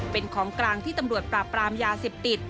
เป็นของกลางที่ตำรวจปราบปรามยาเสพติด